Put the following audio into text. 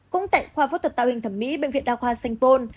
cũng tại khoa phốt thuật tạo hình thẩm mỹ bệnh viện đào khoa sanh tôn